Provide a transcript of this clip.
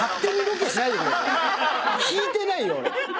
聞いてないよ俺。